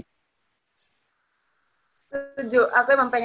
setuju aku emang pengen